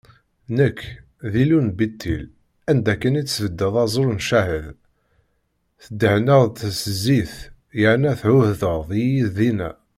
Nekk, d Illu n Bitil, anda akken i tesbeddeḍ aẓru d ccahed, tdehneḍ-t s zzit, yerna tɛuhdeḍ-iyi dinna.